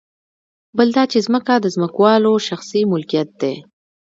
بل دا چې ځمکه د ځمکوالو شخصي ملکیت دی